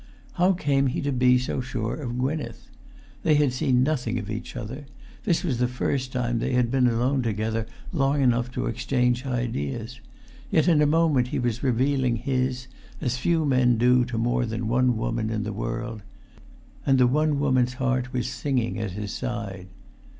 How came he to be so sure of Gwynneth? They had seen nothing of each other; this was the first time they had been alone together long enough to exchange ideas; yet in a moment he was revealing his as few men do to more than one woman in the world. And the one woman's heart was singing at his side.